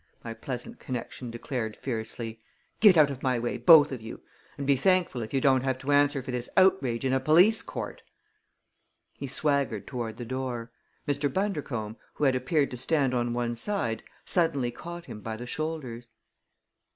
my pleasant connection declared fiercely. "Get out of my way, both of you! And be thankful if you don't have to answer for this outrage in a police court!" He swaggered toward the door. Mr. Bundercombe, who had appeared to stand on one side, suddenly caught him by the shoulders.